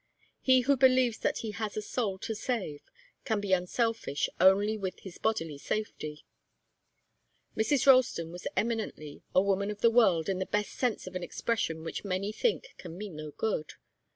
He who believes that he has a soul to save can be unselfish only with his bodily safety. Mrs. Ralston was eminently a woman of the world in the best sense of an expression which many think can mean no good.